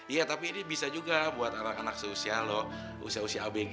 iya tapi ini bisa juga buat anak anak seusia loh usia usia abg